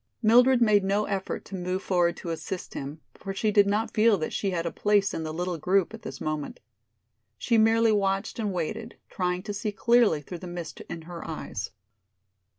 Mildred made no effort to move forward to assist him, for she did not feel that she had a place in the little group at this moment. She merely watched and waited, trying to see clearly through the mist in her eyes.